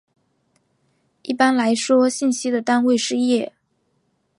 一般来说信息的单位是页。